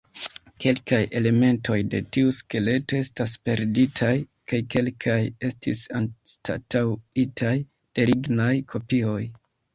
Kelkaj elementoj de tiu skeleto estas perditaj, kaj kelkaj estis anstataŭitaj de lignaj kopioj.